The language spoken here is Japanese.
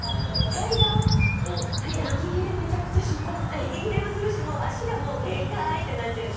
息切れもするしもう足が限界ってなっちゃうし。